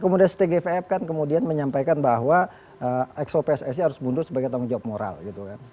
kemudian kemudian menyebarkan bahwa exco pssi harus mundur sebagai tanggung jawab moral gitu kan